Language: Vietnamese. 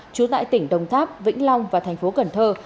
trú tại tỉnh đồng tháp vĩnh long và thành phố cần thơ